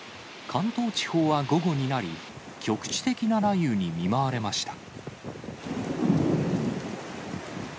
関東地方は午後になり、局地的な雷雨に見舞われました。